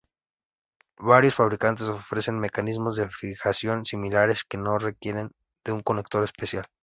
Varios fabricantes ofrecen mecanismos de fijación similares que no requieren de un conector especial.